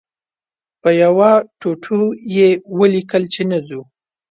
په یوه ټوټو یې ولیکل چې نه ځو.